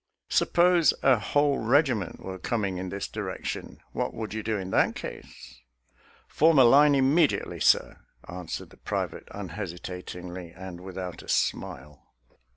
Suppose a whole regiment were coming in this direction, what would you do in that case? "" Form a line immediately, sir," answered the private unhesitatingly, and without a smile.